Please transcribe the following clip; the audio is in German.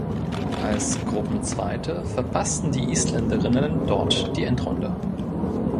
Als Gruppenzweite verpassten die Isländerinnen dort die Endrunde.